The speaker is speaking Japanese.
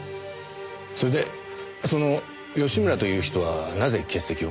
それでその吉村という人はなぜ欠席を？